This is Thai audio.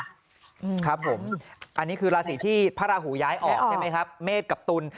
ครับผมอันนี้คือราศีที่พระราหูย้ายออกใช่ไหมครับเมษกับตุล